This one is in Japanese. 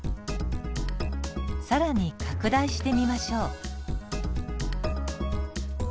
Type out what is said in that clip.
更に拡大してみましょう。